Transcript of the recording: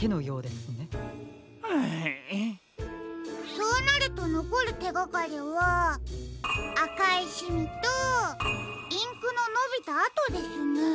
そうなるとのこるてがかりはあかいシミとインクののびたあとですね。